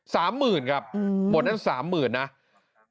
สามหมื่นครับหมดนั้นสามหมื่นนะอื้อฮือ